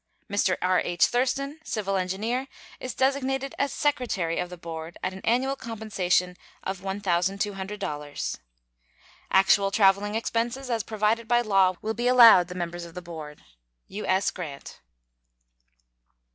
Mr. R.H. Thurston, civil engineer, is designated as secretary of the board, at an annual compensation of $1,200. Actual traveling expenses, as provided by law, will be allowed the members of the board. U.S. GRANT.